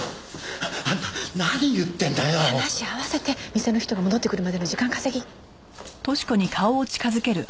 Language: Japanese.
店の人が戻ってくるまでの時間稼ぎ。